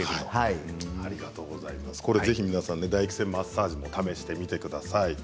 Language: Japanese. ぜひ唾液腺マッサージも試してみてください。